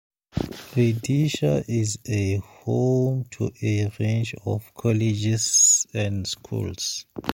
Vidisha is a home to a range of colleges and schools.